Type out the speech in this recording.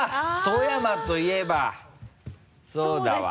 富山といえばそうだわ。